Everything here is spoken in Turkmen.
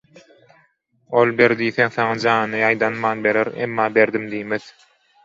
Ol ber diýseň, saňa janyny ýaýdanman berer, emma berdim diýmez.